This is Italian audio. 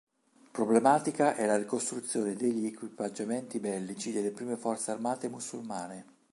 Problematica è la ricostruzione degli equipaggiamenti bellici delle prime forze armate musulmane.